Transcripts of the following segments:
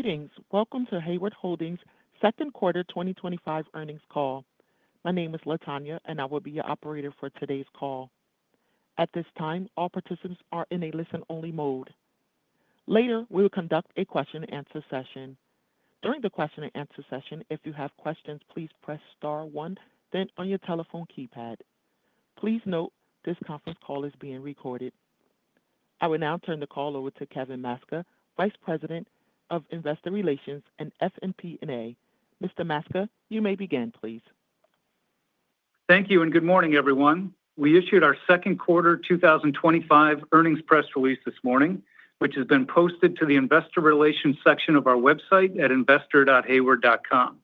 Greetings. Welcome to Hayward Holdings Second Quarter 2025 Earnings Call. My name is Latonya and I will be your operator for today's call. At this time, all participants are in a listen-only mode. Later, we will conduct a question and answer session. During the question and answer session, if you have questions, please press star 1 then on your telephone keypad. Please note this conference call is being recorded. I will now turn the call over to Kevin Maczka, Vice President of Investor Relations and FP&A. Mr. Maczka, you may begin, please. Thank you and good morning everyone. We issued our second quarter 2025 earnings press release this morning, which has been posted to the Investor Relations section of our website at investor.hayward.com.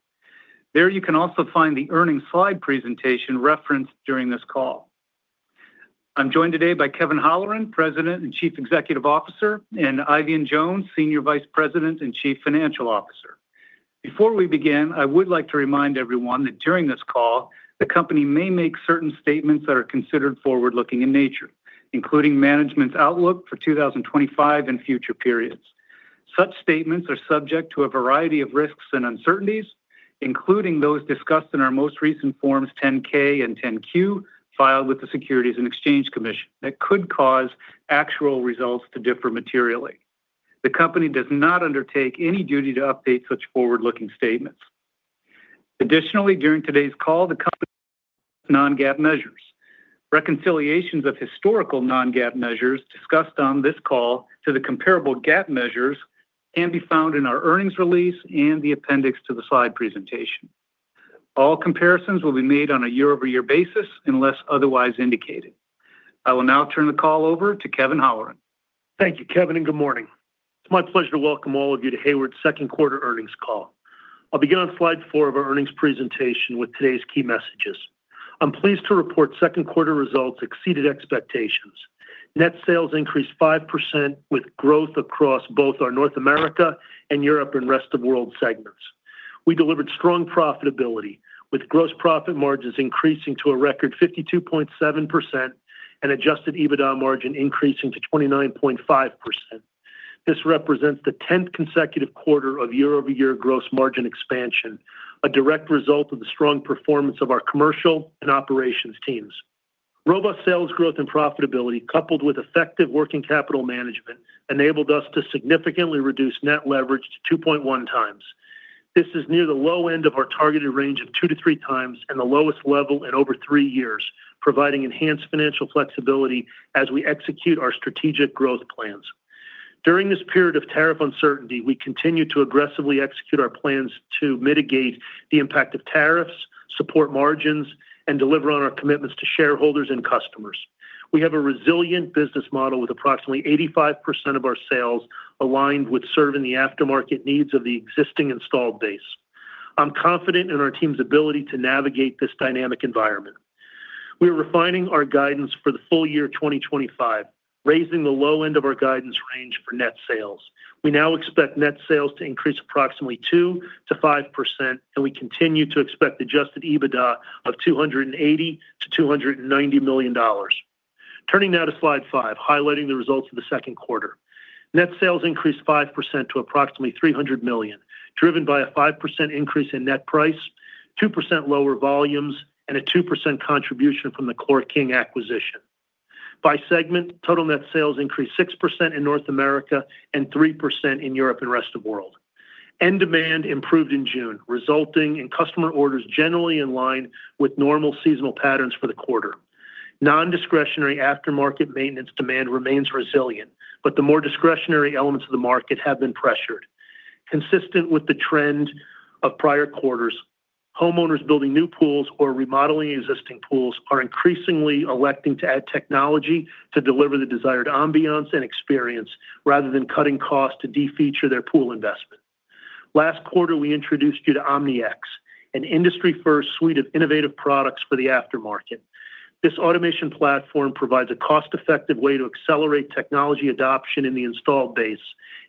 There you can also find the earnings slide presentation referenced during this call. I'm joined today by Kevin Holleran, President and Chief Executive Officer, and Eifion Jones, Senior Vice President and Chief Financial Officer. Before we begin, I would like to remind everyone that during this call the Company may make certain statements that are considered forward looking in nature, including management's outlook for 2025 and future periods. Such statements are subject to a variety of risks and uncertainties, including those discussed in our most recent Forms 10-K and 10-Q filed with the Securities and Exchange Commission that could cause actual results to differ materially. The Company does not undertake any duty to update such forward looking statements. Additionally, during today's call, the Company may reference non-GAAP measures. Reconciliations of historical non-GAAP measures discussed on this call to the comparable GAAP measures can be found in our earnings release and the appendix to the slide presentation. All comparisons will be made on a year-over-year basis unless otherwise indicated. I will now turn the call over to Kevin Holleran. Thank you, Kevin, and good morning. It's my pleasure to welcome all of you to Hayward's second quarter earnings call. I'll begin on slide four of our earnings presentation with today's key messages. I'm pleased to report second quarter results exceeded expectations. Net sales increased 5% with growth across both our North America and Europe and Rest of World segments. We delivered strong profitability with gross profit margins increasing to a record 52.7% and Adjusted EBITDA margin increasing to 29.5%. This represents the 10th consecutive quarter of year-over-year gross margin expansion, a direct result of the strong performance of our commercial and operations teams. Robust sales growth and profitability coupled with effective working capital management enabled us to significantly reduce net leverage to 2.1 times. This is near the low end of our targeted range of two to three times and the lowest level in over three years, providing enhanced financial flexibility as we execute our strategic growth plans. During this period of tariff uncertainty, we continue to aggressively execute our plans to mitigate the impact of tariffs, support margins, and deliver on our commitments to shareholders and customers. We have a resilient business model with approximately 85% of our sales aligned with serving the aftermarket needs of the existing installed base. I'm confident in our team's ability to navigate this dynamic environment. We are refining our guidance for the full year 2025, raising the low end of our guidance range for net sales. We now expect net sales to increase approximately 2%-5%, and we continue to expect Adjusted EBITDA of $280 million to $290 million. Turning now to Slide five, highlighting the results of the second quarter, net sales increased 5% to approximately $300 million, driven by a 5% increase in net price, 2% lower volumes, and a 2% contribution from the ChlorKing acquisition. By segment, total net sales increased 6% in North America and 3% in Europe and Rest of World. End demand improved in June, resulting in customer orders generally in line with normal seasonal patterns for the quarter. Non-discretionary aftermarket maintenance demand remains resilient, but the more discretionary elements of the market have been pressured, consistent with the trend of prior quarters. Homeowners building new pools or remodeling existing pools are increasingly electing to add technology to deliver the desired ambiance and experience rather than cutting costs to defeature their pool investment. Last quarter, we introduced you to OmniX, an industry-first suite of innovative products for the aftermarket. This automation platform provides a cost-effective way to accelerate technology adoption in the installed base,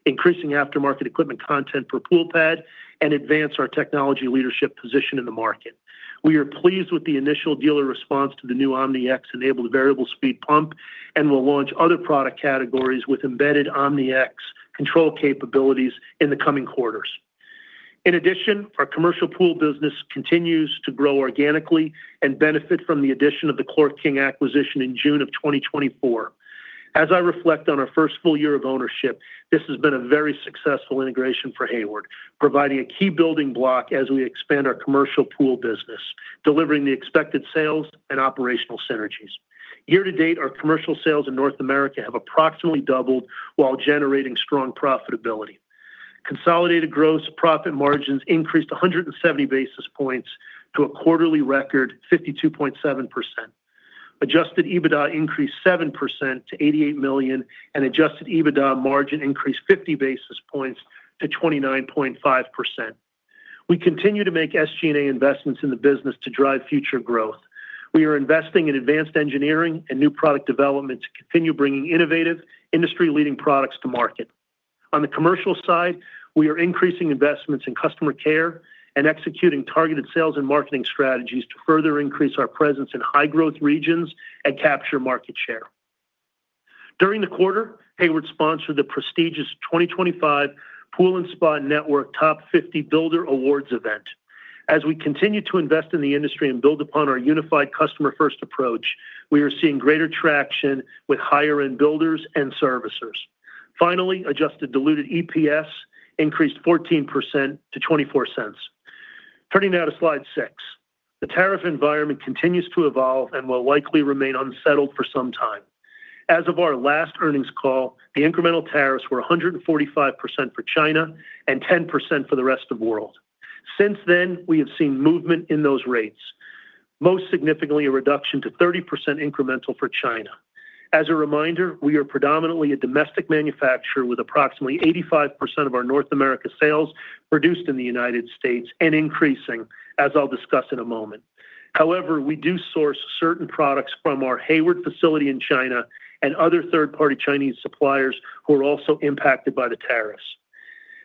increasing aftermarket equipment content per pool pad and advancing our technology leadership position in the market. We are pleased with the initial dealer response to the new OmniX-enabled variable speed pump, and we'll launch other product categories with embedded OmniX control capabilities in the coming quarters. In addition, our Commercial Pool business continues to grow organically and benefit from the addition of the ChlorKing acquisition in June 2024. As I reflect on our first full year of ownership, this has been a very successful integration for Hayward, providing a key building block as we expand our Commercial Pool business, delivering the expected sales and operational synergies. Year to date, our commercial sales in North America have approximately doubled while generating strong profitability. Consolidated gross profit margins increased 170 basis points to a quarterly record 52.7%. Adjusted EBITDA increased 7% to $88 million and Adjusted EBITDA margin increased 50 basis points to 29.5%. We continue to make SG&A investments in the business to drive future growth. We are investing in advanced engineering and new product development to continue bringing innovative industry leading products to market. On the commercial side, we are increasing investments in Customer Care and executing targeted sales and marketing strategies to further increase our presence in high growth regions and capture market share. During the quarter, Hayward sponsored the prestigious 2025 Pool and Spa Network Top 50 Builder Awards event. As we continue to invest in the industry and build upon our unified customer first approach, we are seeing greater traction with higher end builders and servicers. Finally, adjusted diluted EPS increased 14% to $0.24. Turning now to slide 6, the tariff environment continues to evolve and will likely remain unsettled for some time. As of our last earnings call, the incremental tariffs were 145% for China and 10% for the Rest of World. Since then, we have seen movement in those rates, most significantly a reduction to 30% incremental for China. As a reminder, we are predominantly a domestic manufacturer with approximately 85% of our North America sales produced in the United States and increasing as I'll discuss in a moment. However, we do source certain products from our Hayward facility in China and other third party Chinese suppliers who are also impacted by the tariffs.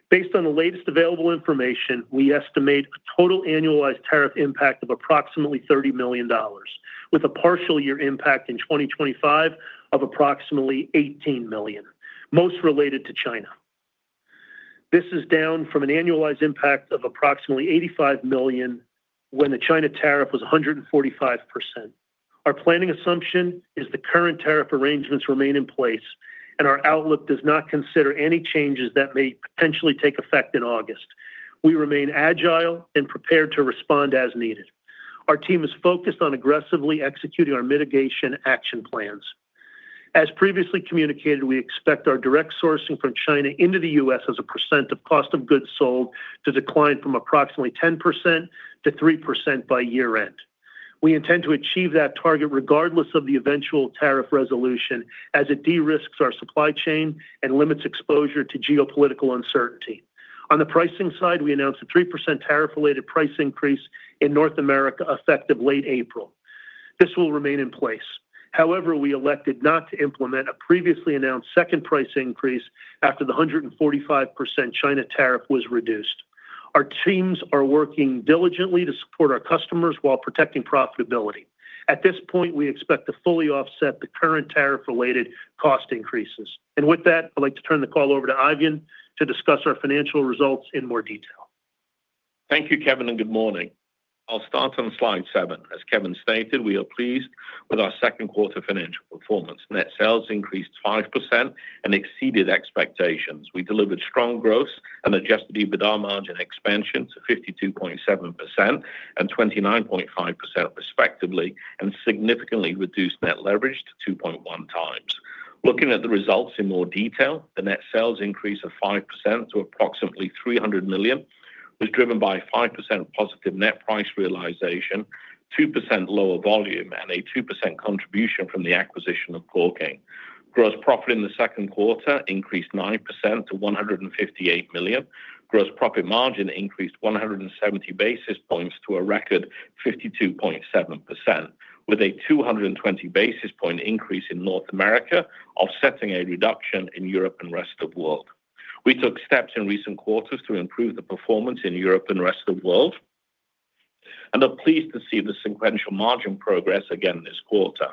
Based on the latest available information, we estimate a total annualized tariff impact of approximately $30 million with a partial year impact in 2025 of approximately $18 million, most related to China. This is down from an annualized impact of approximately $85 million when the China tariff was 145%. Our planning assumption is the current tariff arrangements remain in place and our outlook does not consider any changes that may potentially take effect in August. We remain agile and prepared to respond as needed. Our team is focused on aggressively executing our mitigation action plans. As previously communicated, we expect our direct sourcing from China into the U.S. as a percent of cost of goods sold to decline from approximately 10%-3% by year-end. We intend to achieve that target regardless of the eventual tariff resolution as it de-risks our supply chain and limits exposure to geopolitical uncertainty. On the pricing side, we announced a 3% tariff-related price increase in North America effective late April. This will remain in place. However, we elected not to implement a previously announced second price increase after the 145% China tariff was reduced. Our teams are working diligently to support our customers while protecting profitability. At this point, we expect to fully offset the current tariff-related cost increases and with that I'd like to turn the call over to Eifion to discuss our financial results in more detail. Thank you Kevin and good morning. I'll start on Slide 7. As Kevin stated, we are pleased with our second quarter financial performance. Net sales increased 5% and exceeded expectations. We delivered strong growth and Adjusted EBITDA margin expansion to $158 million and 29.5% respectively, and significantly reduced net leverage to 2.1 times. Looking at the results in more detail, the net sales increase of 5% to approximately $300 million was driven by 5% positive net price realization, 2% lower volume, and a 2% contribution from the acquisition of ChlorKing. Gross profit in the second quarter increased 9% to $158 million, gross profit margin increased 170 basis points to a record 52.7%, with a 220 basis point increase in North America, offsetting a reduction in Europe and Rest of World. We took steps in recent quarters to improve the performance in Europe and Rest of World and are pleased to see the sequential margin progress again this quarter,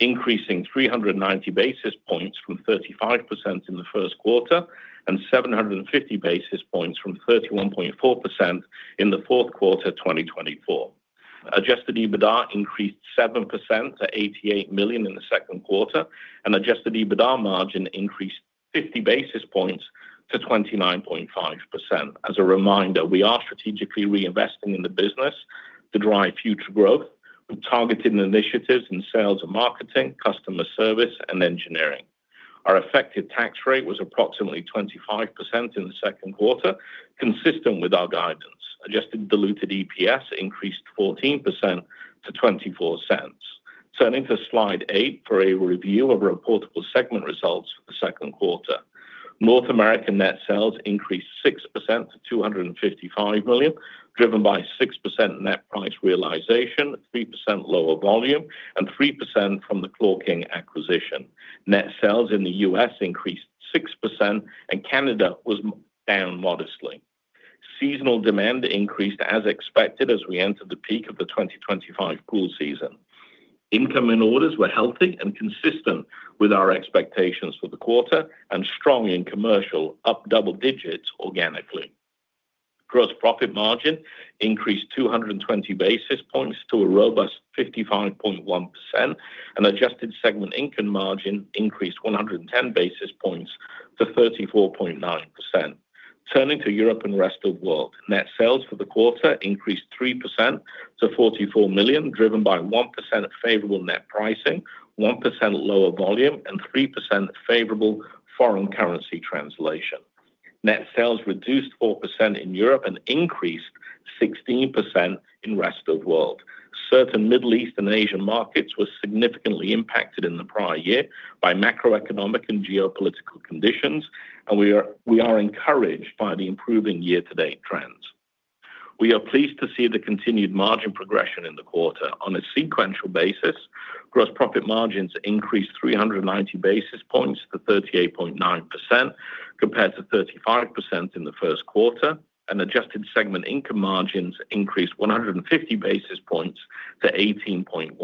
increasing 390 basis points from 35% in the first quarter and 750 basis points from 31.4% in the fourth quarter. 2024 Adjusted EBITDA increased 7% to $88 million in the second quarter and Adjusted EBITDA margin increased 50 basis points to 29.5%. As a reminder, we are strategically reinvesting in the business to drive future growth with targeted initiatives in sales and marketing, customer service, and engineering. Our effective tax rate was approximately 25% in the second quarter. Consistent with our guidance, adjusted diluted EPS increased 14% to $0.24. Turning to Slide 8 for a review of reportable segment results for the second quarter, North American net sales increased 6% to $255 million, driven by 6% net price realization, 3% lower volume, and 3% from the ChlorKing acquisition. Net sales in the U.S. increased 6% and Canada was down modestly. Seasonal demand increased as expected as we entered the peak of the 2024 pool season. Incoming orders were healthy and consistent with our expectations for the quarter and strong in commercial, up double digits organically. Gross profit margin increased 220 basis points to a robust 55.1% and adjusted segment income margin increased 110 basis points to 34.9%. Turning to Europe and Rest of World, net sales for the quarter increased 3% to $44 million, driven by 1% favorable net price, 1% lower volume, and 3% favorable foreign currency translation. Net sales reduced 4% in Europe and increased 16% in Rest of World. Certain Middle East and Asian markets were significantly impacted in the prior year by macroeconomic and geopolitical conditions, and we are encouraged by the improving year-to-date trends. We are pleased to see the continued margin progression in the quarter on a sequential basis. Gross profit margins increased 390 basis points to 38.9% compared to 35% in the first quarter, and adjusted segment income margins increased 150 basis points to 18.1%.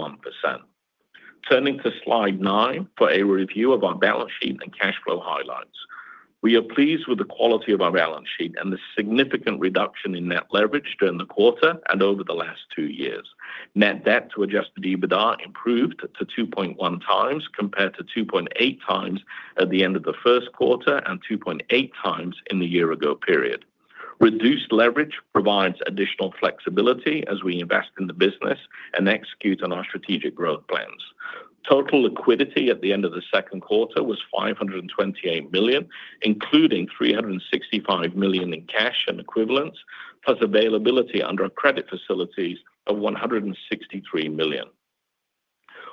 Turning to Slide 9 for a review of our balance sheet and cash flow highlights, we are pleased with the quality of our balance sheet and the significant reduction in net leverage during the quarter and over the last two years. Net debt to Adjusted EBITDA improved to 2.1 times compared to 2.8 times at the end of the first quarter and 2.8 times in the year-ago period. Reduced leverage provides additional flexibility as we invest in the business and execute on our strategic growth plans. Total liquidity at the end of the second quarter was $528 million, including $365 million in cash and equivalents plus availability under our credit facilities of $163 million.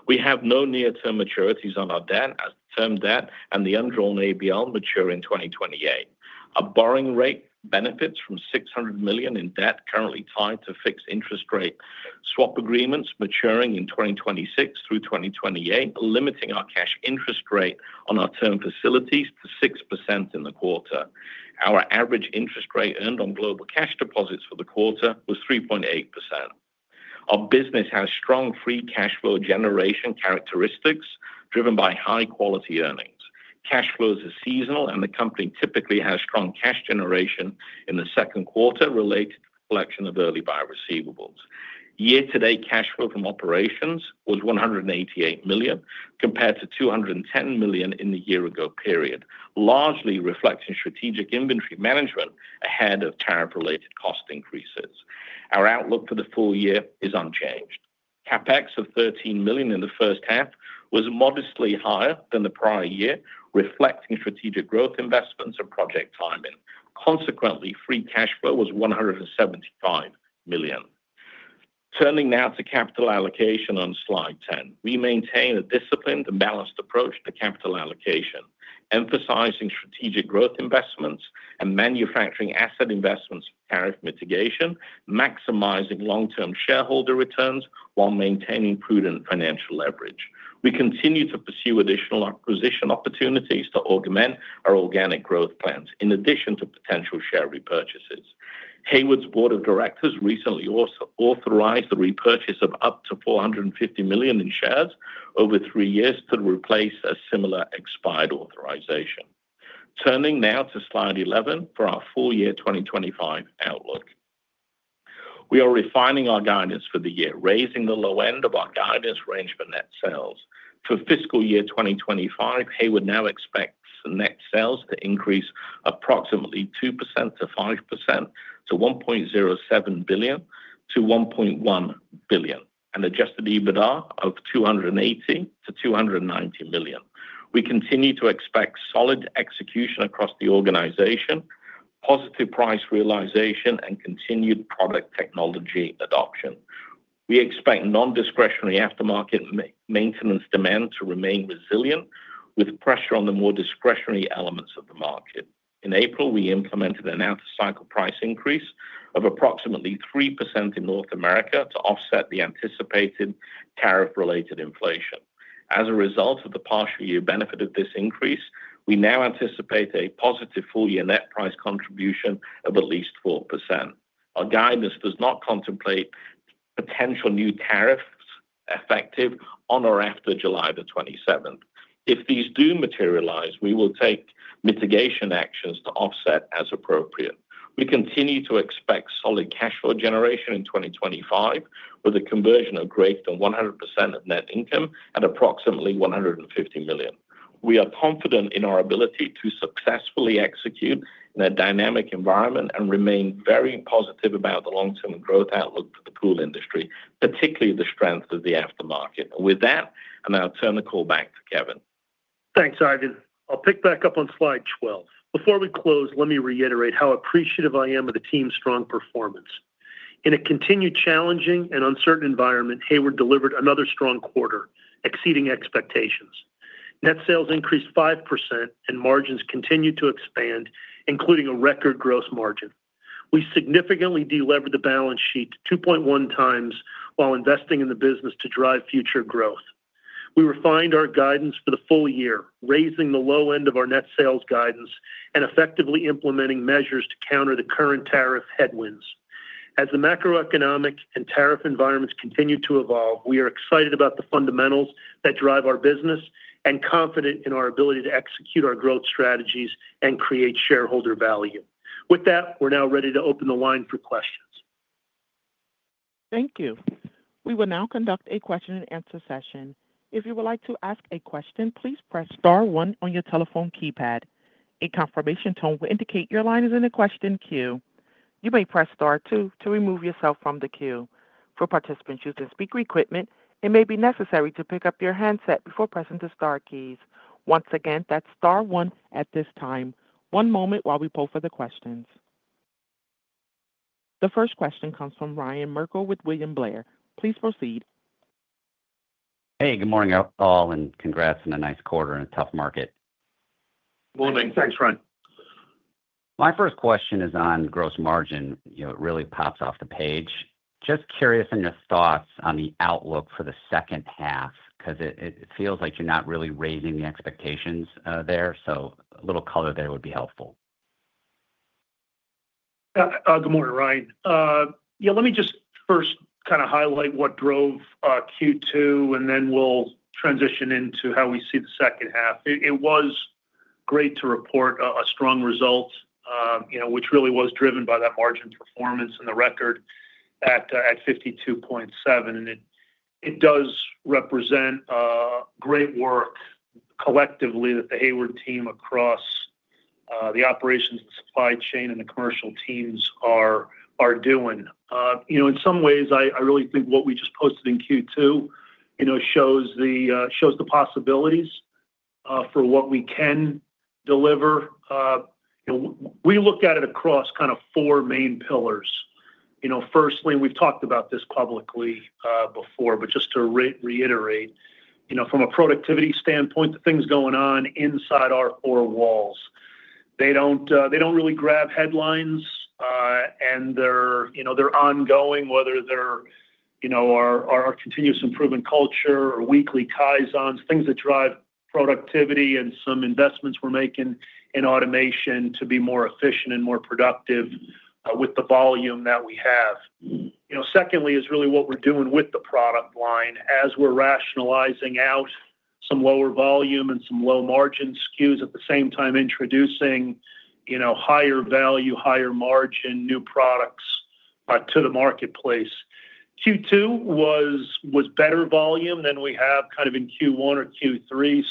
We have no near-term maturities on our debt. As the term debt and the undrawn ABL mature in 2028, our borrowing rate benefits from $600 million in debt currently tied to fixed interest rate swap agreements maturing in 2026 through 2028, limiting our cash interest rate on our term facilities to 6% in the quarter. Our average interest rate earned on global cash deposits for the quarter was 3.8%. Our business has strong Free Cash Flow generation characteristics driven by high quality earnings. Cash flows are seasonal, and the company typically has strong cash generation in the second quarter related to the collection of early buy receivables. Year-to-date cash flow from operations was $188 million compared to $210 million in the year-ago period, largely reflecting strategic inventory management ahead of tariff-related cost increases. Our outlook for the full year is unchanged. CapEx of $13 million in the first-half was modestly higher than the prior year, reflecting strategic growth investments and project timing. Consequently, Free Cash Flow was $175 million. Turning now to capital allocation on Slide 10, we maintain a disciplined and balanced approach to capital allocation, emphasizing strategic growth investments and manufacturing asset investments, tariff mitigation, maximizing long-term shareholder returns while maintaining prudent financial leverage. We continue to pursue additional acquisition opportunities to augment our organic growth plans in addition to potential share repurchases. Hayward's Board of Directors recently also authorized the repurchase of up to $450 million in shares over three years to replace a similar expired authorization. Turning now to slide 11 for our full year 2025 outlook, we are refining our guidance for the year, raising the low end of our guidance range for net sales for fiscal year 2025. Hayward now expects net sales to increase approximately 2%-5% to $1.07 billion-$1.1 billion, and Adjusted EBITDA of $280 million-$290 million. We continue to expect solid execution across the organization, positive price realization, and continued product technology adoption. We expect non-discretionary aftermarket maintenance demand to remain resilient with pressure on the more discretionary elements of the market. In April, we implemented an out-of-cycle price increase of approximately 3% in North America to offset the anticipated tariff-related inflation. As a result of the partial year benefit of this increase, we now anticipate a positive full year net price contribution of at least 4%. Our guidance does not contemplate the potential new tariffs effective on or after July 27th. If these do materialize, we will take mitigation actions to offset as appropriate. We continue to expect solid cash flow generation in 2025 with a conversion of greater than 100% of net income at approximately $150 million. We are confident in our ability to successfully execute in a dynamic environment and remain very positive about the long-term growth outlook for the pool industry, particularly the strength of the aftermarket. With that, I'll now turn the call back to Kevin. Thanks, Eifion. I'll pick back up on slide 12. Before we close, let me reiterate how appreciative I am of the team's strong performance in a continued challenging and uncertain environment. Hayward delivered another strong quarter, exceeding expectations. Net sales increased 5% and margins continued to expand, including a record gross margin. We significantly delevered the balance sheet to 2.1 times while investing in the business to drive future growth. We refined our guidance for the full year, raising the low end of our net sales guidance and effectively implementing measures to counter the current tariff headwinds. As the macroeconomic and tariff environments continue to evolve, we are excited about the fundamentals that drive our business and confident in our ability to execute our growth strategies and create shareholder value. With that, we're now ready to open the line for questions. Thank you. We will now conduct a question and answer session. If you would like to ask a question, please press Star one on your telephone keypad. A confirmation tone will indicate your line is in the question queue. You may press Star two to remove yourself from the queue. For participants using speaker equipment, it may be necessary to pick up your handset before pressing the star keys. Once again, that's Star one at this time. One moment while we poll for the questions. The first question comes from Ryan Merkel with William Blair. Please proceed. Hey, good morning all and congrats on. A nice quarter and a tough market morning. Thanks, Ryan. My first question is on gross margin. It really pops off the page. Just curious on your thoughts on the outlook for the second half because it feels like you're not really raising the expectations there. A little color there would be helpful. Good morning, Ryan. Let me just first kind of highlight what drove Q2 and then we'll transition into how we see the second half. It was great to report a strong result, which really was driven by that margin performance and the record at 52.7% and does represent great work collectively that the Hayward team across the operations, supply chain, and the commercial teams are doing. You know, in some ways I really. Think what we just posted in Q2. You know, shows the possibilities for what we can deliver. We looked at it across kind of four main pillars. Firstly, and we've talked about this publicly before, but just to reiterate, from a productivity standpoint, the things going on inside our four walls, they don't really grab headlines and they're ongoing, whether they're our continuous improvement culture or weekly Kaizens, things that drive productivity and some investments we're making in automation to be more efficient and more productive with the volume that we have. Secondly is really what we're doing with the product line as we're rationalizing out some lower volume and some low margin SKUs, at the same time introducing higher value, higher margin new products to the marketplace. Q2 was better volume than we have in Q1 or Q3.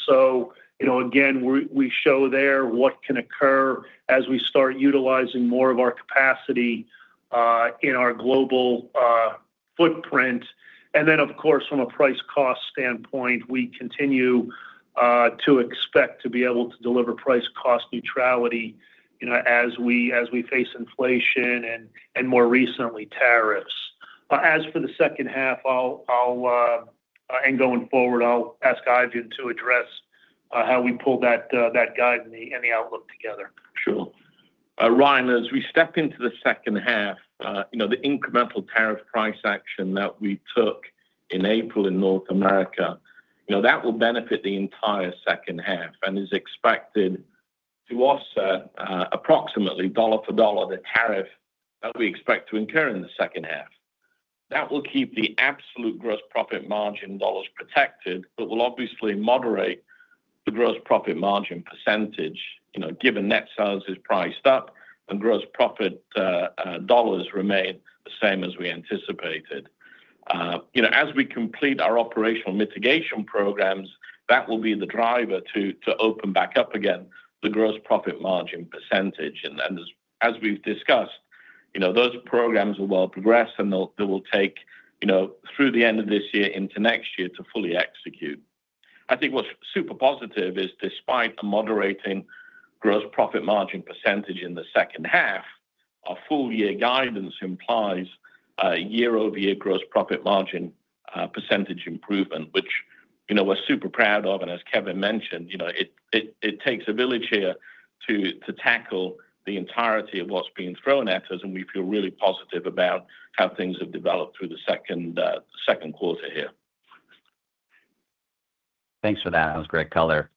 Again, we show there what can occur as we start utilizing more of our capacity in our global footprint. Of course, from a price cost standpoint, we continue to expect to be able to deliver price cost neutrality as we face inflation and more recently tariffs. As for the second half and going forward, I'll ask Eifion to address how we pull that guide and the outlook together. Sure, Ryan. As we step into the second half, the incremental tariff price action that we took in April in North America will benefit the entire second half and is expected to offset approximately dollar for dollar the tariff that we expect to incur in the second half. That will keep the absolute gross profit margin dollars protected, but will obviously moderate the gross profit margin percentage given net sales is priced up and gross profit dollars remain the same. As we anticipated as we complete our operational mitigation programs, that will be the driver to open back up again the gross profit margin percentage. As we've discussed, those programs will progress and they will take through the end of this year into next year to fully execute. I think what's super positive is despite a moderating gross profit margin percentage in the second half, our full year guidance implies year-over-year gross profit margin percentage improvement, which we're super proud of. As Kevin mentioned, it takes a village here to tackle the entirety of what's being thrown at us. We feel really positive about how things have developed through the second quarter here. Thanks for that. That was great. Color.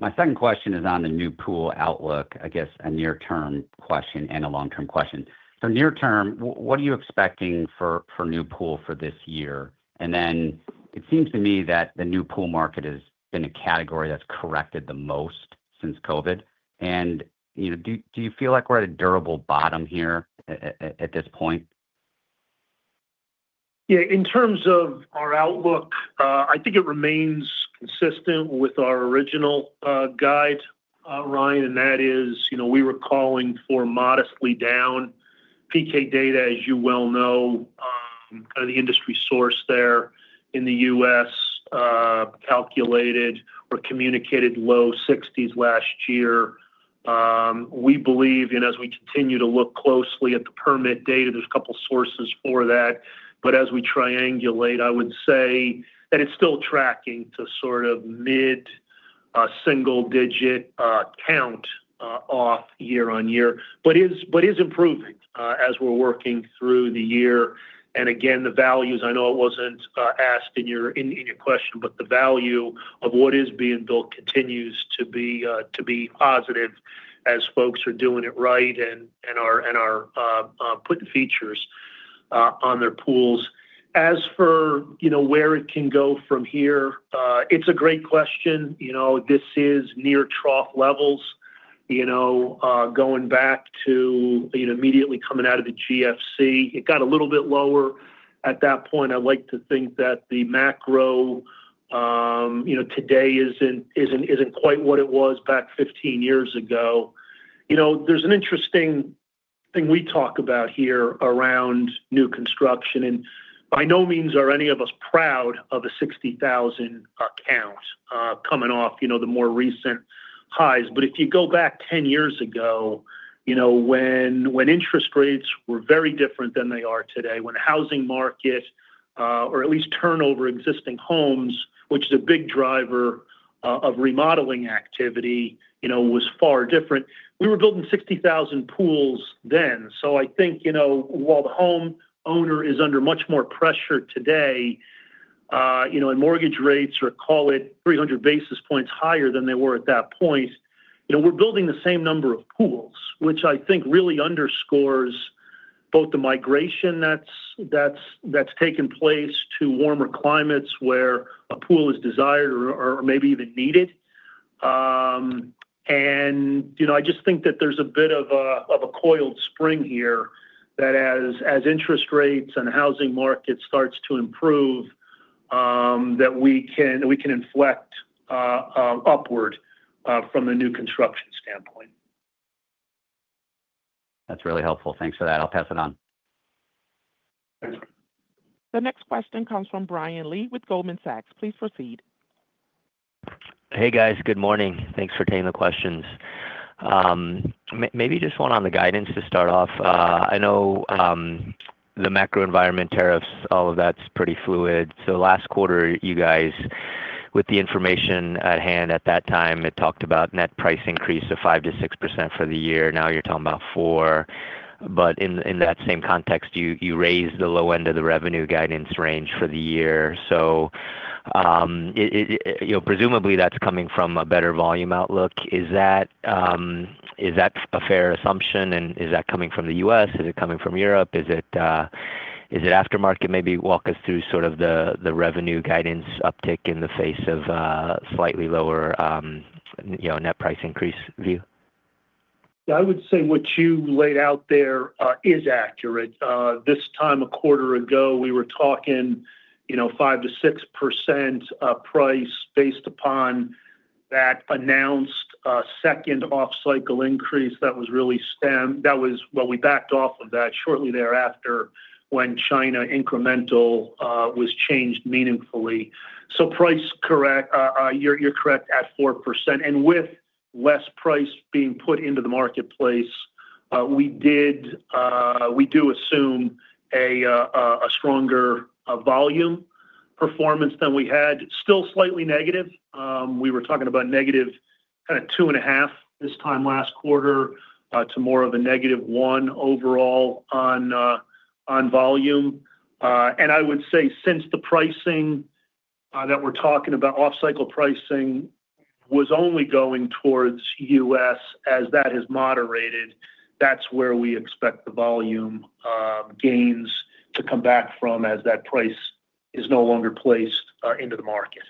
My second question is on the new pool outlook. I guess a near term question. A long-term question. Near term, what are you expecting? For new pool for this year? It seems to me that. The new pool market has been a. Category that's corrected the most since COVID. Do you feel like. We're at a durable bottom here at this point? Yeah, in terms of our outlook, I think it remains consistent with our original guide, Ryan. That is, you know, we were calling for modestly down PK data as you well know, kind of the industry source there in the U.S. calculated or communicated low 60s last year we believe. As we continue to look closely at the permit data, there's a couple sources for that as we triangulate. I would say that it's still tracking to sort of mid single digit count off year-on-year, but is improving as we're working through the year. Again, the values, I know it wasn't asked in your question, but the value of what is being built continues to be positive as folks are doing it right and are putting features on their pools. As for where it can go from here, it's a great question. This is near trough levels, going back to immediately coming out of the GFC, it got a little bit lower at that point. I like to think that the macro today isn't quite what it was back 15 years ago. There's an interesting thing we talk about here around new construction and by no means are any of us proud of a 60,000 count coming off the more recent highs. If you go back 10 years ago, when interest rates were very different than they are today, when the housing market or at least turnover of existing homes, which is a big driver of remodeling activity, was far different, we were building 60,000 pools then. I think while the homeowner is under much more pressure today, in mortgage rates, or call it 300 basis points higher than they were at that point, we're building the same number of pools, which I think really underscores both the migration that's taken place to warmer climates where a pool is desired or maybe even needed. I just think that there's a bit of a coiled spring here that as interest rates and housing market starts to improve, we can inflect upward from the new construction standpoint. That's really helpful. Thanks for that. I'll pass it on. The next question comes from Brian Lee with Goldman Sachs. Please proceed. Hey guys, good morning. Thanks for taking the questions. Maybe just one on the guidance to start off. I know the macro environment, tariffs, all of that's pretty fluid. Last quarter you guys with the information at hand at that time talked about net price increase of 5%-6% for the year. Now you're talking about 4%. In that same context you raised the low end of the revenue guidance range for the year. So. Presumably that's coming from a better volume outlook. Is that a fair assumption? Is that coming from the U.S.? Is it coming from Europe? Is it aftermarket? Maybe walk us through the revenue guidance uptick in the face of slightly lower net price increase view. I would say what you laid out there is accurate this time. A quarter ago we were talking 5% to 6% price based upon that announced second off cycle increase. That was really stem. That was what we backed off of shortly thereafter when China incremental was changed meaningfully. So price, correct? You're correct at 4% and with less price being put into the marketplace, we do assume a stronger volume performance than we had. Still slightly negative. We were talking about negative kind of 2.5% this time last quarter to more of a negative 1% overall on volume. I would say since the pricing that we're talking about, off cycle pricing, was only going towards us, as that has moderated, that's where we expect the volume gains to come back from as that price is no longer placed into the market.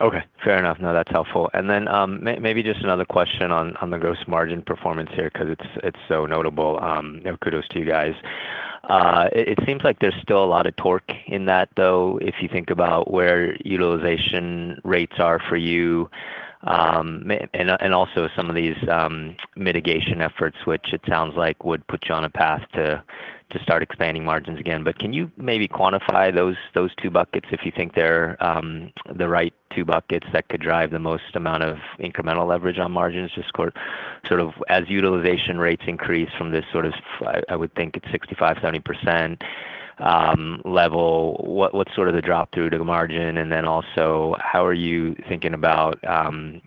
Okay, fair enough. No, that's helpful. Maybe just another question on the gross margin performance here because it's so notable. Kudos to you guys. It seems like there's still a lot of torque in that though, if you think about where utilization rates are for you. Also, some of these mitigation efforts, which it sounds like would put you on a path to start expanding margins again. Can you maybe quantify those two buckets if you think they're the right two buckets that could drive the most amount of incremental leverage on margins just sort of as utilization rates increase from this sort of, I would think it's 65%, 70% level? What's sort of the drop through to the margin? Also, how are you thinking about, I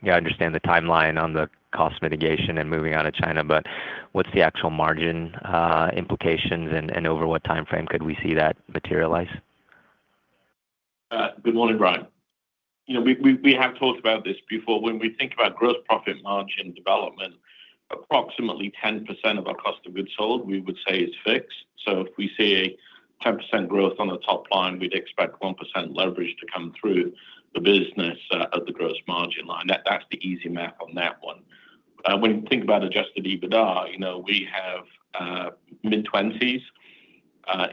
understand the timeline on the cost mitigation and moving out of China, but what's the actual margin implications and over what time frame could we see that materialize? Good morning, Brian. We have talked about this before. When we think about gross profit margin development, approximately 10% of our cost of goods sold we would say is fixed. If we see a 10% growth on the top line, we'd expect 1% leverage to come through the business on the gross margin line. That's the easy math on that one. When you think about Adjusted EBITDA, we have mid 20s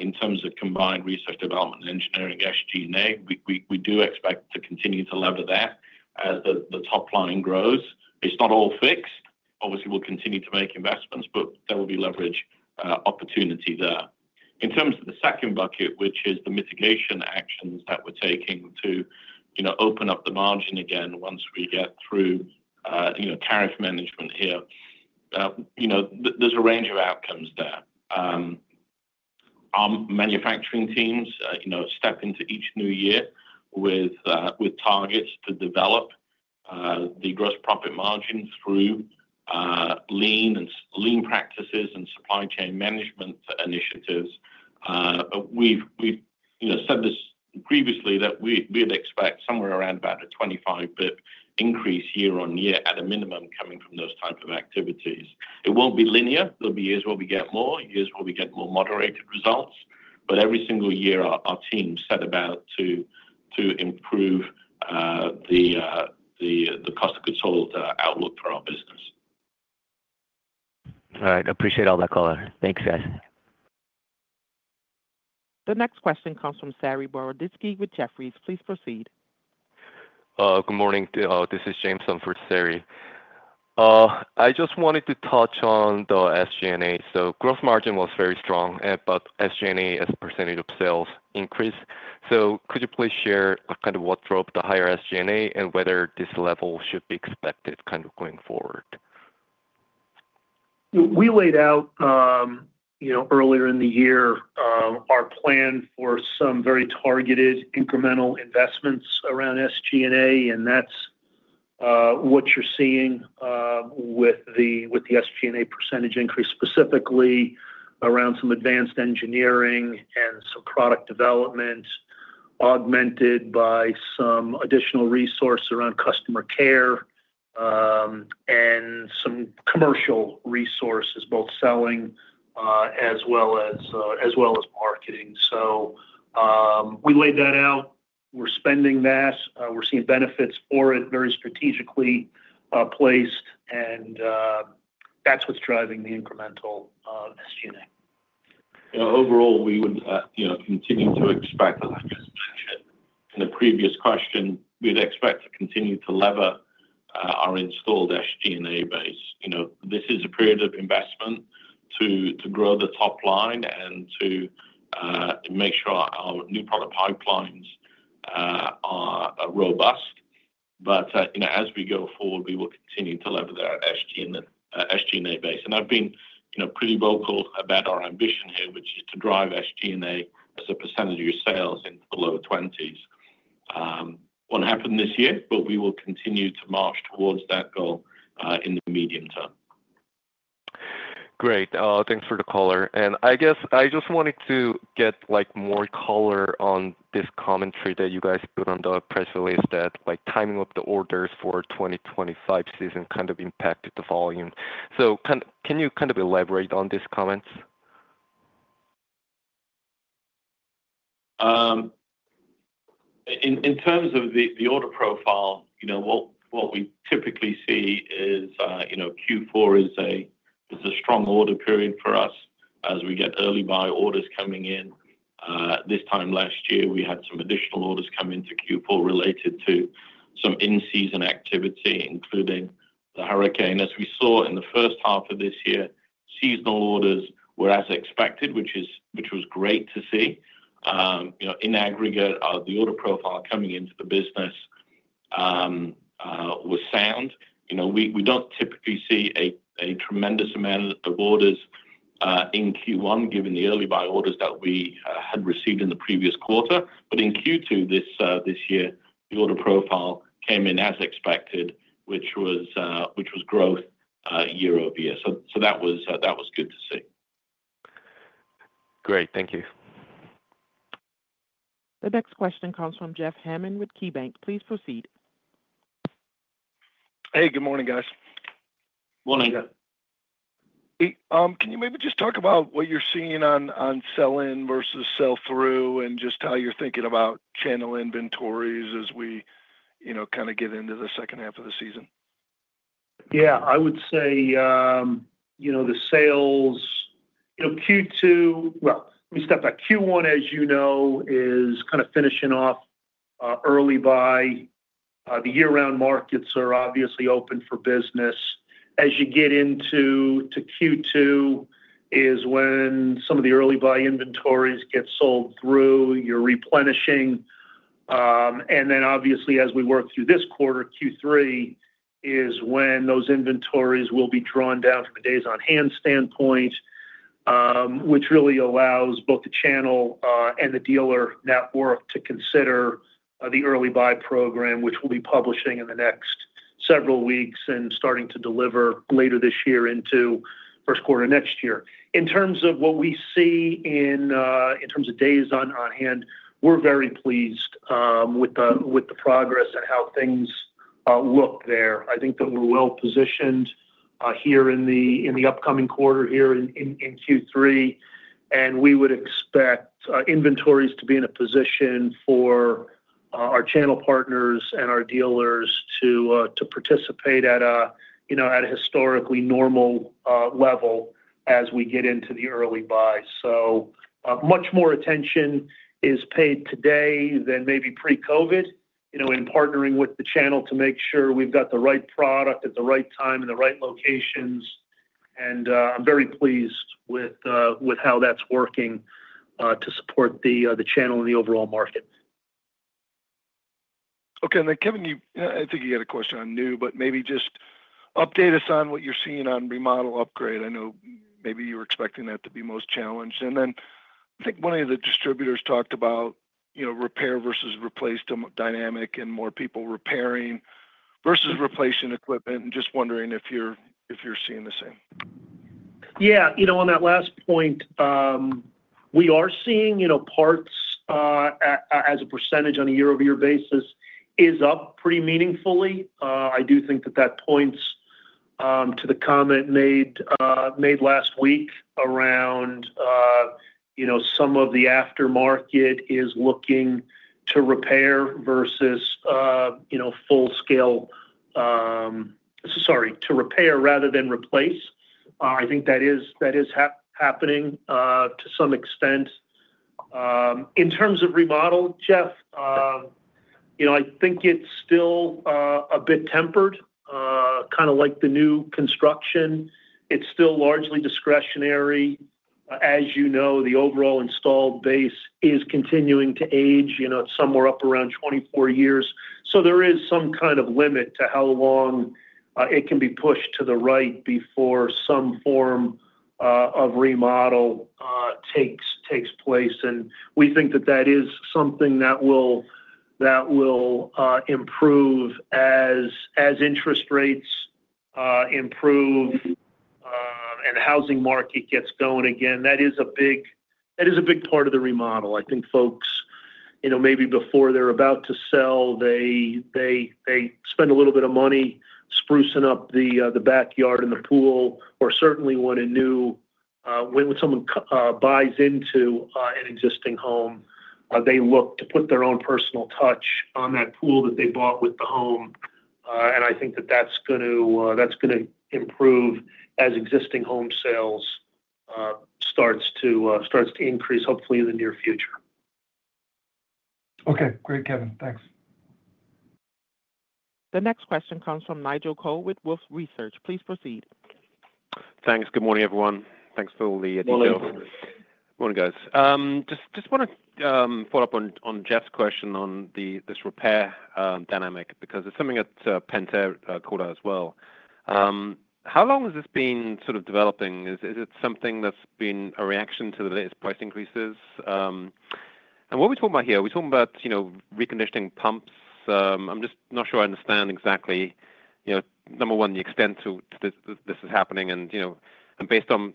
in terms of combined research, development, engineering, SG&A. We do expect to continue to lever that as the top line grows. It's not all fixed. Obviously, we'll continue to make investments, but there will be leverage opportunity there in terms of the second bucket, which is the mitigation actions that we're taking to open up the margin again. Once we get through tariff management here, there's a range of outcomes there. Our manufacturing teams step into each new year with targets to develop the gross profit margin through lean and lean practices and supply chain management initiatives. We've said this previously that we'd expect somewhere around about a 25 bps increase year-on-year at a minimum. Coming from those type of activities, it won't be linear. There'll be years where we get more, years where we get more moderated results. Every single year our team set about to improve the cost of goods sold outlook for our business. All right, appreciate all that color. Thanks, guys. The next question comes from Saree Boroditsky with Jefferies. Please proceed. Good morning, this is James from Jefferies. I just wanted to touch on the SG&A. Gross margin was very strong, but SG&A as a percentage of sales increased. Could you please share kind of. What drove the higher SG&A and whether. This level should be expected kind of going forward? We laid out earlier in the year our plan for some very targeted incremental investments around SG&A. What you're seeing with the SG&A % increase is specifically around some advanced engineering and some product development, augmented by some additional resource around Customer Care and some commercial resources, both selling as well as marketing. We laid that out, we're spending that, we're seeing benefits for it, very strategically placed, and that's what's driving the incremental SG&A overall. We would continue to expect, as I just mentioned in the previous question, we'd expect to continue to lever our installed SG&A base. This is a period of investment to grow the top line and to make sure our new product pipelines are robust. As we go forward, we will continue to leverage our SG&A base. I've been pretty vocal about our ambition here, which is to drive SG&A as a percentage of your sales in the lower 20%. It won't happen this year, but we will continue to march towards that goal in the medium term. Great, thanks for the call. I guess I just wanted to. Get more color on this commentary that you guys put on the press release, like timing of the orders. For 2025 season, kind of impacted the volume. Can you kind of elaborate on. These comments. In terms of the order profile, what we typically see is Q4 is a strong order period for us as we get early buy orders coming in. This time last year we had some additional orders come into Q4 related to some in-season activity, including the hurricane. As we saw in the first half of this year, seasonal orders were as expected, which was great to see in aggregate. The order profile coming into the business was sound. We don't typically see a tremendous amount of orders in Q1 given the early buy orders that we had received in the previous quarter. In Q2 this year, the order profile came in as expected, which was growth year-over-year. That was good to see. Great, thank you. The next question comes from Jeff Hammond with KeyBanc. Please proceed. Hey, good morning, guys. Morning. Can you maybe just talk about what you're seeing on sell in versus sell-through and just how you're thinking about channel inventories as we, you know, kind of get into the second half of the season? I would say, you know, the sales, you know, Q2, we step back. Q1, as you know, is kind of finishing off early by the year round, markets are obviously open for business. As you get into Q2 is when some of the early buy inventories get sold through, you're replenishing. Obviously, as we work through this quarter, Q3 is when those inventories will be drawn down from a days on hand standpoint, which really allows both the channel and the dealer network to consider the early buy program, which we'll be publishing in the next several weeks and starting to deliver later this year into first quarter next year. In terms of what we see in terms of days on hand, we're very pleased with the progress and how things look there. I think that we're well positioned here in the upcoming quarter here in Q3 and we would expect inventories to be in a position for our channel partners and our dealers to participate at a historically normal level as we get into the early buy. Much more attention is paid today than maybe pre-Covid, you know, in partnering with the channel to make sure we've got the right product at the right time in the right locations. I'm very pleased with how that's working to support the channel and the overall market. Okay, and then Kevin, I think you had a question on new. Maybe just update us on what you're seeing on remodel upgrade. I know maybe you were expecting that to be most challenged. I think one of the distributors talked about, you know, repair versus replace dynamic and more people repairing versus replacement equipment and just wondering if you're seeing the same. You know, on that last point, we are seeing, you know, parts as a percentage on a year-over-year basis is up pretty meaningfully. I do think that that points to the comment made last week around, you know, some of the aftermarket is looking to repair rather than replace. I think that is happening to some extent in terms of remodel, Jeff. I think it's still a bit tempered, kind of like the new construction. It's still largely discretionary. As you know, the overall installed base is continuing to age. You know, it's somewhere up around 24 years. There is some kind of limit to how long it can be pushed to the right before some form of remodel takes place. We think that is something that will improve as interest rates improve and the housing market gets going again. That is a big part of the remodel. I think folks, maybe before they're about to sell, spend a little bit of money sprucing up the backyard and the pool, or certainly when someone buys into an existing home, they look to put their own personal touch on that pool that they bought with the home. I think that's going to improve as existing home sales start to increase, hopefully in the near future. Okay, great, Kevin, thanks. The next question comes from Nigel Cole with Wolfe Research. Please proceed. Thanks. Good morning everyone. Thanks for all the details. Morning guys. Just want to follow up on Jeff's question on this repair dynamic because there's something that Pentair called out as well. How long has this been sort of developing? Is it something that's been a reaction to the latest price increases? What are we talking about here? We're talking about reconditioning pumps. I'm just not sure I understand exactly. Number one, the extent to this is happening and based on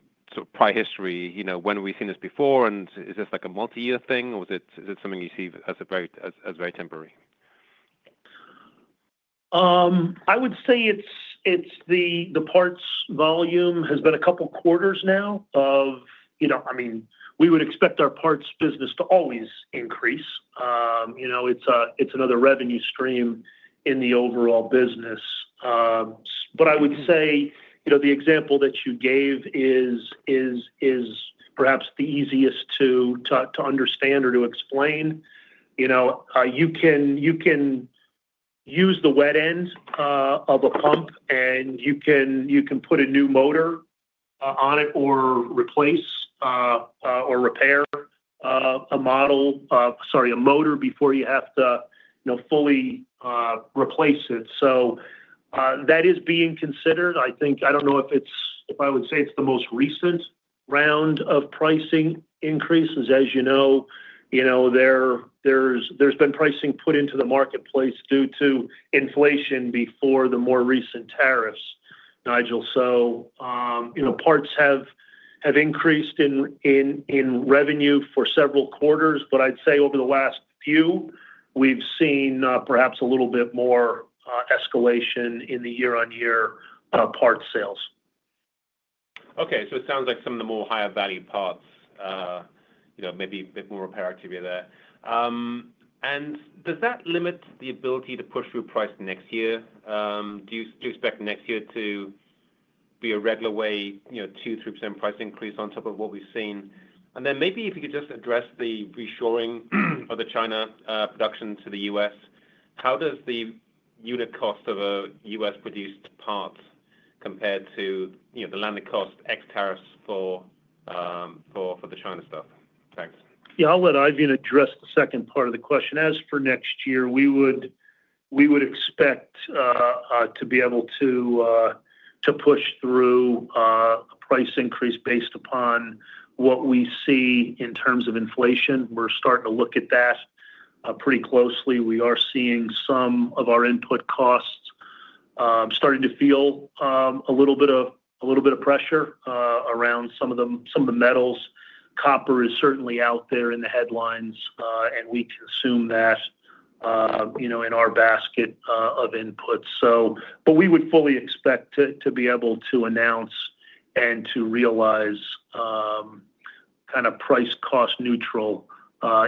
prior history. When have we seen this before? Is this like a multi year thing or is it something you see as very temporary? I would say it's the parts volume has been a couple quarters now of, you know, I mean we would expect our parts business to always increase. You know, it's another revenue stream in the overall business. I would say the example that you gave is perhaps the easiest to understand or to explain. You can use the wet end of a pump and you can put a new motor on it or replace or repair a motor before you have to fully replace it. That is being considered. I think, I don't know if I would say it's the most recent round of pricing increases. As you know, there's been pricing put into the marketplace due to inflation before the more recent tariffs. Nigel, parts have increased in revenue for several quarters, but I'd say over the last few we've seen perhaps a little bit more escalation in the year-on-year part sales. Okay, it sounds like some of the more higher value parts may be a bit more repair activity there. Does that limit the ability to push through price next year? Do you expect next year to be a regular way, 2%-3% price increase on top of what we've seen? Maybe if you could just address the reshoring of the China production to the U.S., how does the unit cost of a U.S. produced part compare to the landed cost plus tariffs for the China stuff? Thanks. Yeah, I'll let Eifion address the second part of the question. As for next year, we would expect to be able to push through a price increase based upon what we see in terms of inflation. We're starting to look at that pretty closely. We are seeing some of our input costs starting to feel a little bit of pressure around some of the metals. Copper is certainly out there in the headlines and we consume that in our basket of inputs. We would fully expect to be able to announce and to realize kind of price cost neutral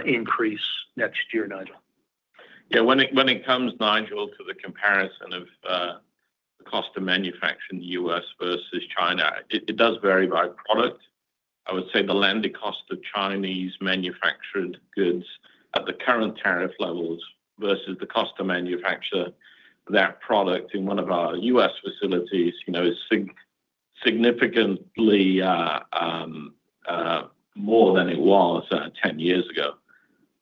increase next year. Nigel? Yeah, when it comes, Nigel, to the comparison of the cost of manufacturing U.S. versus China, it does vary by product. I would say the landing cost of Chinese manufactured goods at the current tariff levels versus the cost to manufacture that product in one of our U.S. facilities is significantly more than it was 10 years ago.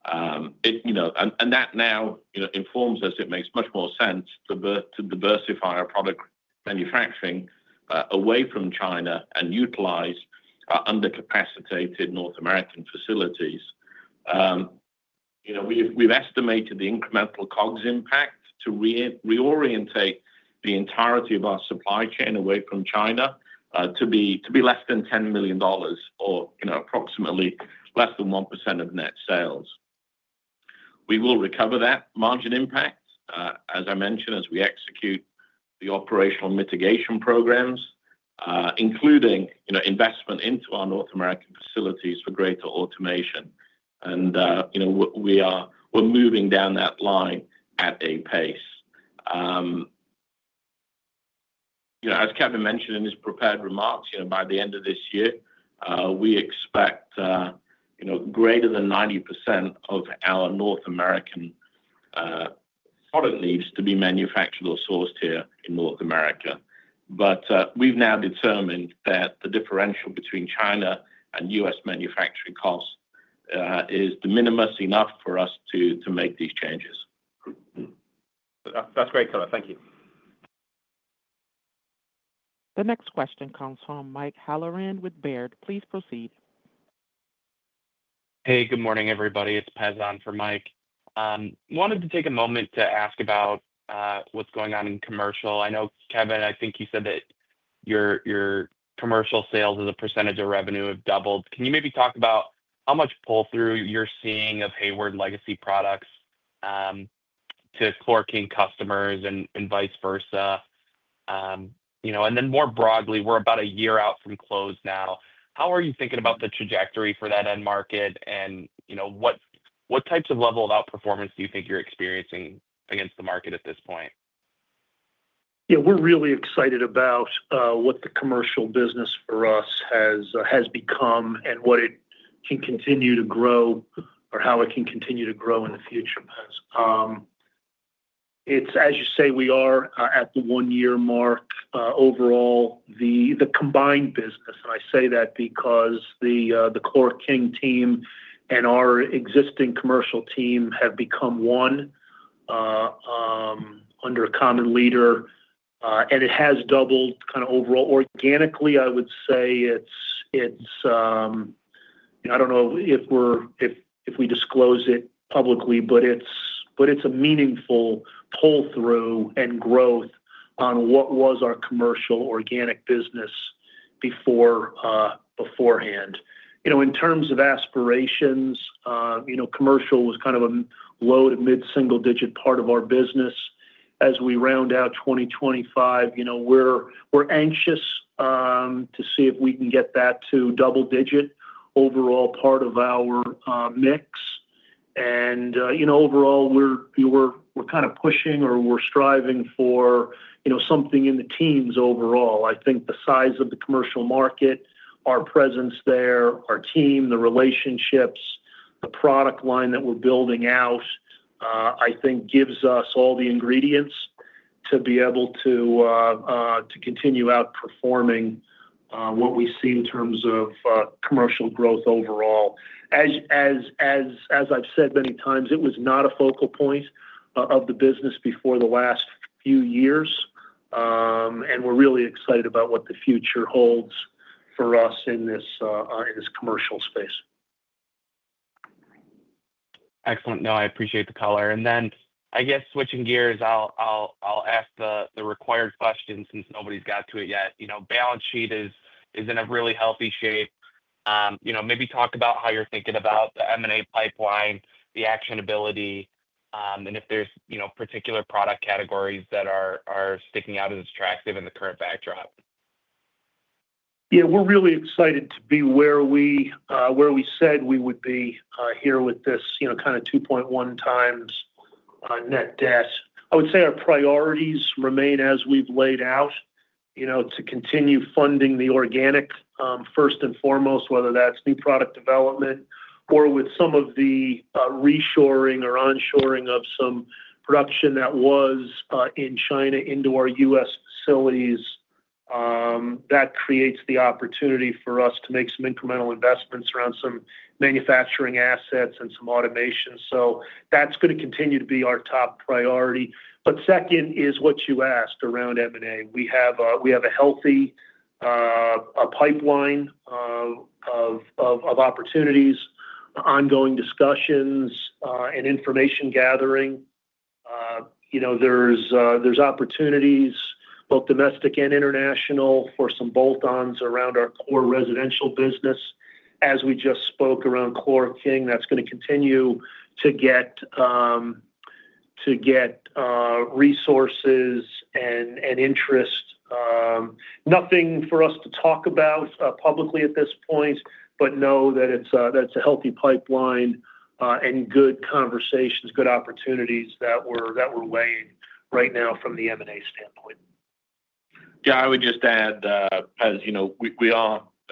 That now informs us it makes much more sense to diversify our product manufacturing away from China and utilize undercapacitated North American facilities. We've estimated the incremental COGS impact to reorientate the entirety of our supply chain away from China to be less than $10 million, or approximately less than 1% of net sales. We will recover that margin impact, as I mentioned, as we execute the operational mitigation programs, including investment into our North American facilities for greater automation. We are moving down that line at a pace. As Kevin mentioned in his prepared remarks, by the end of this year, we expect greater than 90% of our North American product needs to be manufactured or sourced here in North America. We've now determined that the differential between China and U.S. manufacturing costs is de minimis enough for us to make these changes. That's great, thank you. The next question comes from Mike Holleran with Baird. Please proceed. Hey, good morning, everybody. It's Pez on for Mike. Wanted to take a moment to ask about what's going on in commercial. I know, Kevin, I think you said that your commercial sales as a percentage of revenue have doubled. Can you maybe talk about how much pull through you're seeing of Hayward Legacy products to ChlorKing customers and vice versa? More broadly, we're about a year out from close now. How are you thinking about the trajectory for that end market and what types of level of outperformance do you think you're experiencing against the market at this point? Yeah, we're really excited about what the commercial business for us has become and what it can continue to grow or how it can continue to grow in the future. It's as you say, we are at the one year mark overall the combined business. I say that because the ChlorKing team and our existing commercial team have become one under a common leader, and it has doubled kind of overall organically. I would say it's, I don't know if we disclose it publicly, but it's a meaningful pull through and growth on what was our commercial organic business beforehand. In terms of aspirations, commercial was kind of a low to mid single digit part of our business as we round out 2025. We're anxious to see if we can get that to double digit overall part of our mix. Overall, we're kind of pushing or we're striving for something in the teens overall. I think the size of the commercial market, our presence there, our team, the relationships, the product line that we're building out, I think gives us all the ingredients to be able to continue outperforming what we see in terms of commercial growth overall. As I've said many times, it was not a focal point of the business before the last few years and we're really excited about what the future holds for us in this commercial space. Excellent. No, I appreciate the color. I guess switching gears, I'll ask the required question since nobody's got to it yet. The balance sheet is in a really healthy shape. Maybe talk about how you're thinking about the M&A pipeline, the actionability, and if there's particular product categories that are sticking out as attractive in the current batch. Yeah, we're really excited to be where we said we would be here with this, you know, kind of 2.1 times net debt. I would say our priorities remain as we've laid out, you know, to continue funding the organic first and foremost, whether that's new product development or with some of the reshoring or onshoring of some production that was in China into our U.S. facilities. That creates the opportunity for us to make some incremental investments around some manufacturing assets and some automation. That's going to continue to be our top priority. Second is what you asked around M&A. We have a healthy pipeline of opportunities, ongoing discussions and information gathering. There are opportunities both domestic and international for some bolt-ons around our core residential business. As we just spoke around ChlorKing, that's going to continue to get resources and interest. Nothing for us to talk about publicly at this point, but know that it's a healthy pipeline and good conversations, good opportunities that we're weighing right now from the M&A standpoint. Yeah, I would just add, as you know, we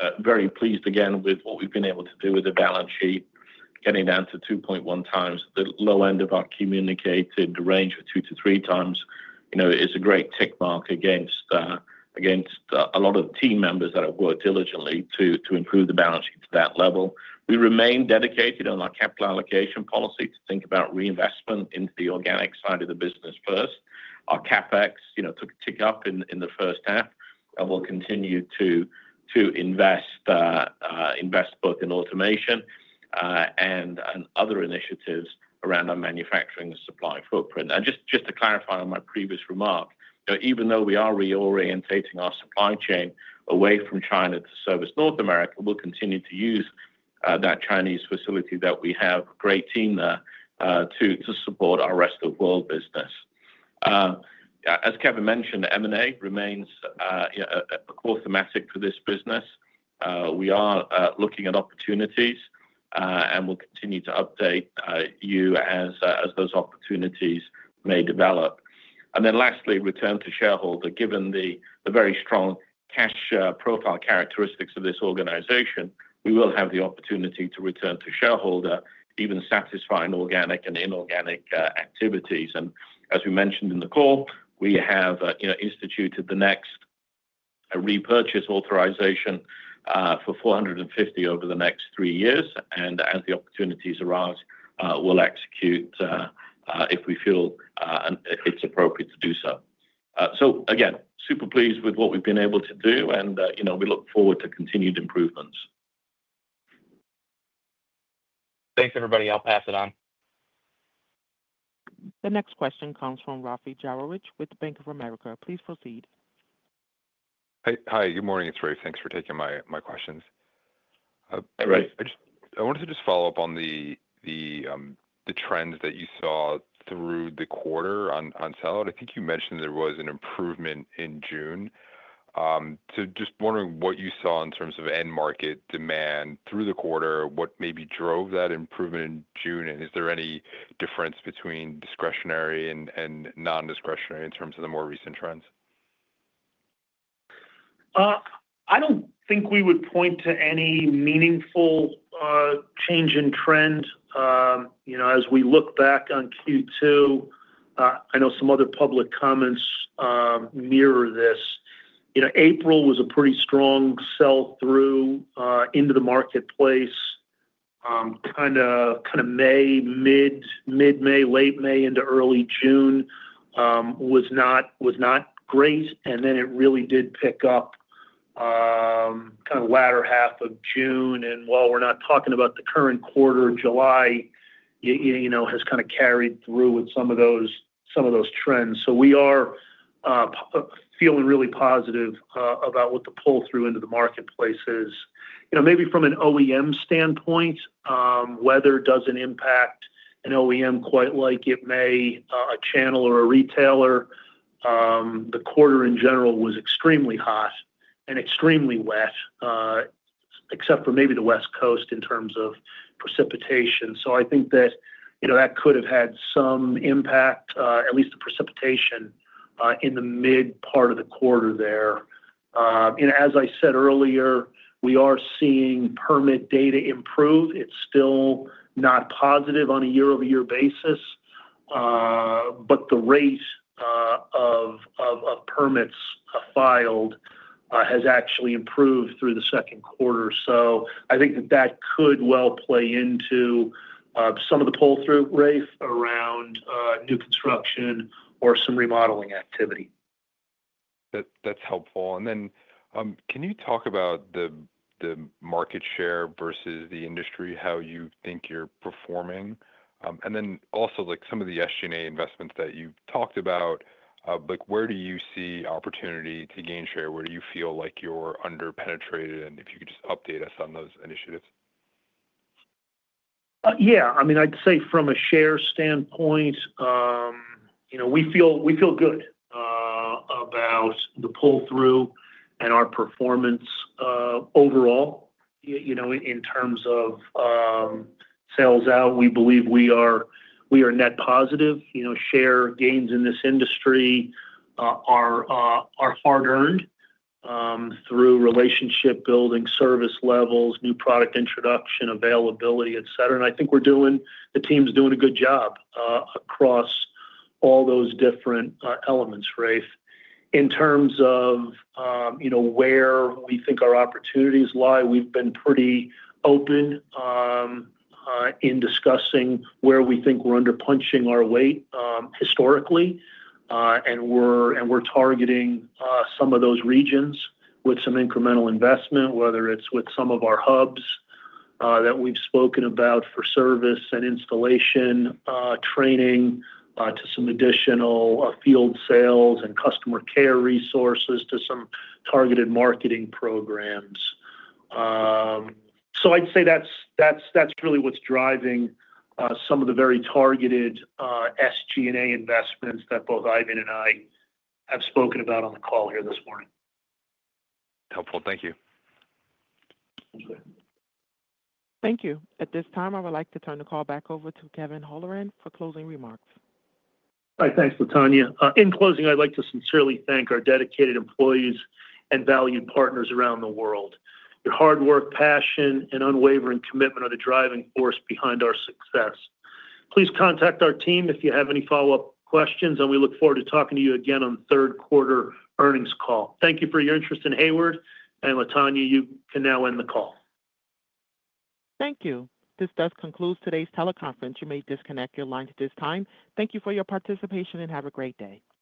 are very pleased again with what we've been able to do with the balance sheet getting down to 2.1 times. The low end of our communicated range for 2-3 times is a great tick mark against a lot of team members that have worked diligently to improve the balance sheet to that level. We remain dedicated on our capital allocation policy to think about reinvestment into the organic side of the business. First, our CapEx took a tick up in the first half and we'll continue to invest both in automation and other initiatives around our manufacturing supply footprint. Just to clarify on my previous remark, even though we are reorientating our supply chain away from China to service North America, we'll continue to use that Chinese facility. We have a great team there to support our Rest of World business. As Kevin mentioned, M&A remains a core thematic for this business. We are looking at opportunities and we'll continue to update you as those opportunities may develop. Lastly, return to shareholder. Given the very strong cash profile characteristics of this organization, we will have the opportunity to return to shareholder even satisfying organic and inorganic activities. As we mentioned in the call, we have instituted the next share repurchase authorization for $450 million over the next three years. As the opportunities arise, we'll execute if we feel it's appropriate to do so. Again, super pleased with what we've been able to do and we look forward to continued improvements. Thanks everybody. I'll pass it on. The next question comes from Rafe Jadrosich with Bank of America. Please proceed. Hi, good morning, it's Rafe. Thanks for taking my questions. I wanted to just follow up on the trend that you saw through the quarter on sellout. I think you mentioned there was an improvement in June. I am just wondering what you saw in terms of end market demand through the quarter. What maybe drove that improvement in June? Is there any difference between discretionary and non-discretionary in terms of the more recent trends? I don't think we would point to any meaningful change in trend. As we look back on Q2, I know some other public comments mirror this. April was a pretty strong sell-through into the marketplace. May, mid May, late May into early June was not great. It really did pick up latter half of June. While we're not talking about the current quarter, July has kind of carried through with some of those trends. We are feeling really positive about what the pull through into the marketplace is. Maybe from an OEM standpoint, weather doesn't impact an OEM quite like it may a channel or a retailer. The quarter in general was extremely hot and extremely wet except for maybe the West Coast in terms of precipitation. I think that could have had some impact, at least the precipitation in the mid part of the quarter there. As I said earlier, we are seeing permit data improve. It's still not positive on a year-over-year basis, but the rate of permits filed has actually improved through the second quarter. I think that could well play into some of the pull through, Rafe, around new construction or some remodeling activity. That's helpful. Can you talk about the market share versus the industry, how you think you're performing, and also some of the SG&A investments that you've talked about? Where do you see opportunity to gain share? Where do you feel like you're under penetrated, and if you could just update us on those initiatives? Yeah, I mean I'd say from a share standpoint, you know, we feel good about the pull through and our performance overall. In terms of sales out, we believe we are net positive. Share gains in this industry are hard earned through relationship building, service levels, new product introduction, availability, etc. I think the team's doing a good job across all those different elements. Rafe, in terms of where we think our opportunities lie, we've been pretty open in discussing where we think we're under punching our weight historically and we're targeting some of those regions with some incremental investment, whether it's with some of our hubs that we've spoken about for service and installation training, to some additional field sales and Customer Care resources, to some targeted marketing programs. I'd say that's really what's driving some of the very targeted SG&A investments that both Eifion and I have spoken about on the call here this morning. Helpful. Thank you. Thank you. At this time, I would like to turn the call back over to Kevin Holleran for closing remarks. Hi. Thanks, Latonya. In closing, I'd like to sincerely thank our dedicated employees and valued partners around the world. Your hard work, passion, and unwavering commitment are the driving force behind our success. Please contact our team if you have any follow-up questions, and we look forward to talking to you again on the third quarter earnings call. Thank you for your interest in Hayward, and Latonya, you can now end the call. Thank you. This does conclude today's teleconference. You may disconnect your lines at this time. Thank you for your participation and have a great day.